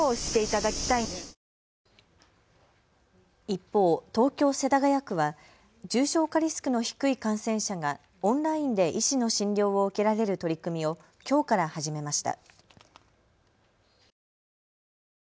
一方、東京世田谷区は重症化リスクの低い感染者がオンラインで医師の診療を受けられる取り組みをきょうから始めました。